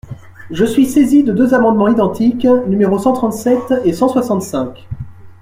Je suis saisie de deux amendements identiques, numéros cent trente-sept et cent soixante-cinq.